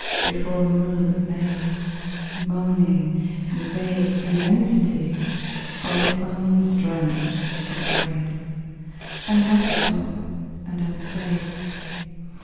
Before the moon was made, Moaning in vague immensity, Of its own strength afraid, Unresful and unstaid.